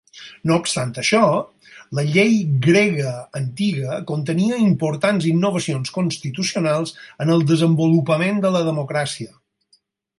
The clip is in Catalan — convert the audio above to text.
No obstant això, la Llei grega antiga contenia importants innovacions constitucionals en el desenvolupament de la democràcia.